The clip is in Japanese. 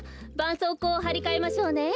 そうこうをはりかえましょうね。